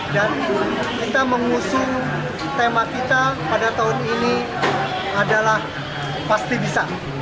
dan kita mengusung tema kita pada tahun ini adalah pasti bisa